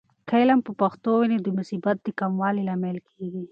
که علم په پښتو وي، نو د مصیبت د کموالي لامل کیږي.